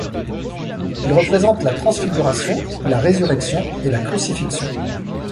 Il représente la Transfiguration, la Résurrection et la Crucifixion.